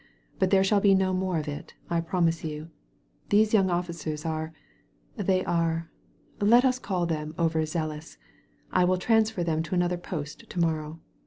But there shall be no more of it, I promise you. Those young officers are — ^they are — let us call them overzealous. I will transfer them to another post to morrow.